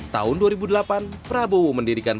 tahun dua ribu delapan prabowo mendirikan